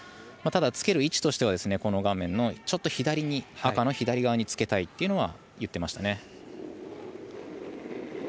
ただ、つける位置としては赤の左側につけたいというのは言ってました。